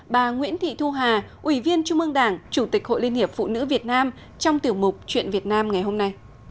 bà nguyễn thị thu hà ủy viên trung ương đảng chủ tịch hội liên hiệp phụ nữ việt nam trong tiểu mục chuyện việt nam ngày hôm nay